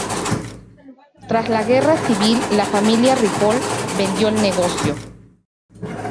Tras la guerra civil, la familia "Ripoll" vendió el negocio.